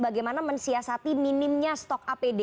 bagaimana mensiasati minimnya stok apd